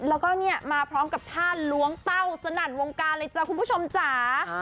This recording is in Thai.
แล้วก็เนี่ยมาพร้อมกับท่าล้วงเต้าสนั่นวงการเลยจ้ะคุณผู้ชมจ๋า